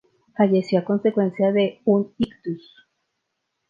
Falleció a consecuencia de un ictus.